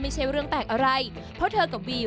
ไม่ใช่เรื่องแปลกอะไรเพราะเธอกับวีม